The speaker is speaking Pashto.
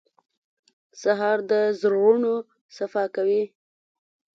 سهار د زړونو صفا کوي.